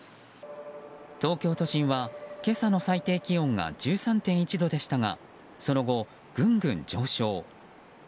東京都心は今朝の最低気温が１３．１度でしたがその後、ぐんぐん上昇。